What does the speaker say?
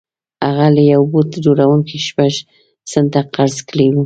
هغه له یوه بوټ جوړوونکي شپږ سنټه قرض کړي وو